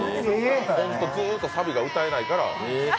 ずっとサビが歌えないから。